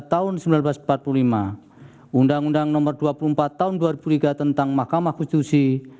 tahun seribu sembilan ratus empat puluh lima undang undang nomor dua puluh empat tahun dua ribu tiga tentang mahkamah konstitusi